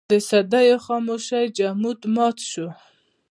د صدېو خاموشۍ جمود مات شو.